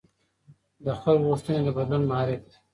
د خلکو غوښتنې د بدلون محرک دي